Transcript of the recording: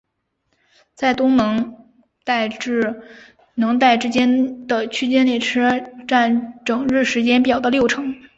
在东能代至能代之间的区间列车占整日时间表的六成。